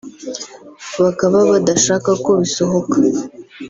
bakaba badashaka ko bisohoka